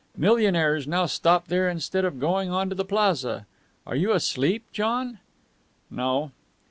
Millionaires now stop there instead of going on to the Plaza. Are you asleep, John?" "No."